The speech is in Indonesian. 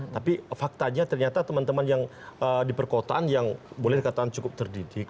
tapi faktanya ternyata teman teman yang di perkotaan yang boleh dikatakan cukup terdidik